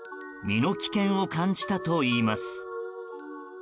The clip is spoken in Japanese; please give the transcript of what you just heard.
身の危険を感じたといいます。